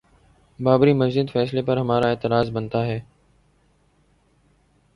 بابری مسجد فیصلے پر ہمارا اعتراض بنتا ہے؟